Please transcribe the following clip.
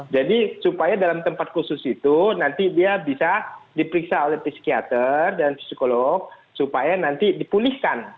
jadi supaya dalam tempat khusus itu nanti dia bisa diperiksa oleh psikiater dan psikolog supaya nanti dipulihkan